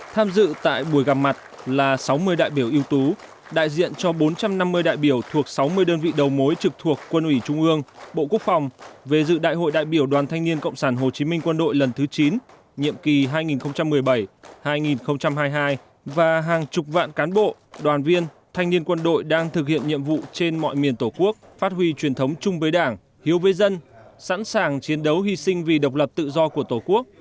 tham dự tại buổi gặp mặt là sáu mươi đại biểu ưu tú đại diện cho bốn trăm năm mươi đại biểu thuộc sáu mươi đơn vị đầu mối trực thuộc quân ủy trung ương bộ quốc phòng về dự đại hội đại biểu đoàn thanh niên cộng sản hồ chí minh quân đội lần thứ chín nhiệm kỳ hai nghìn một mươi bảy hai nghìn hai mươi hai và hàng chục vạn cán bộ đoàn viên thanh niên quân đội đang thực hiện nhiệm vụ trên mọi miền tổ quốc phát huy truyền thống chung với đảng hiếu với dân sẵn sàng chiến đấu hy sinh vì độc lập tự do của tổ quốc